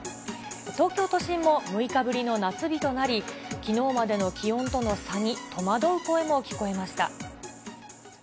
東京都心も６日ぶりの夏日となり、きのうまでの気温との差に戸惑う声も聞こえました。